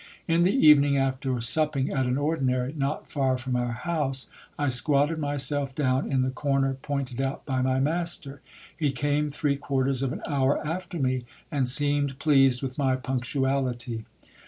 In the evening, after supping at an ordinary not far from our house, I squatted myself down in the corner pointed out by my master. He came three quarters of an hour after me, and seemed pleased with my punctuality.